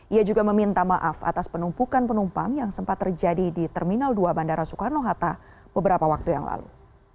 ia juga meminta maaf atas penumpukan penumpang yang sempat terjadi di terminal dua bandara soekarno hatta beberapa waktu yang lalu